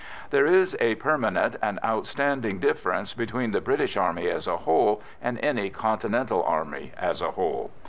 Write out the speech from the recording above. There is a permanent and outstanding difference between the British Army as a whole and any Continental army as a whole.